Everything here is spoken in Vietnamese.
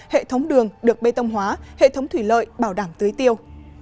hệ thống đường được bê tông hóa hệ thống thủy lợi bảo đảm tưới tiêu